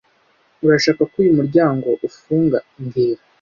Urashaka ko uyu muryango ufunga mbwira